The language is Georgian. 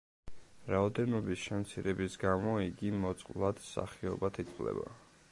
რაოდენობის შემცირების გამო იგი მოწყვლად სახეობად ითვლება.